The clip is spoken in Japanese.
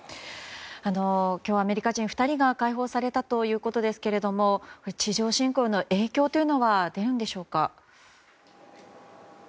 今日、アメリカ人２人が解放されたということですが地上侵攻の影響というのは出るんでしょうか。